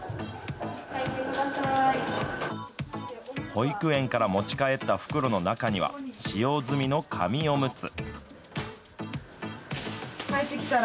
保育園から持ち帰った袋の中には、使用済みの紙おむつ。